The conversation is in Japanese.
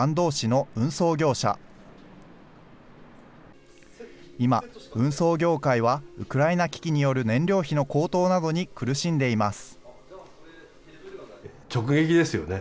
今、運送業界はウクライナ危機による燃料費の高騰などに苦しんでいます。